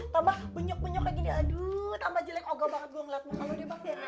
tambah punyok punyoknya gini aduuu tambah jelek ogah banget gue ngelat muka lo deh mbak